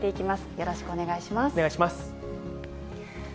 よろしくお願お願いします。